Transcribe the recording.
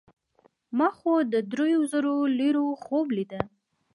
ما خو د دریو زرو لیرو خوب لیده.